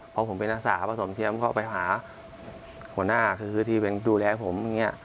พอผมเป็นอสสาภาษฐศมเชียมก็ไปหาผู้หน้าคือที่เป็นดูแลผม